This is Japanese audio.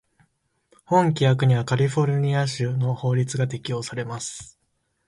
本規約にはカリフォルニア州の法律が適用されます。